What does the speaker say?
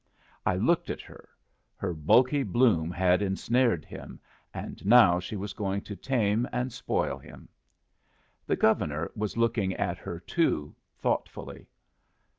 I looked at her. Her bulky bloom had ensnared him, and now she was going to tame and spoil him. The Governor was looking at her too, thoughtfully.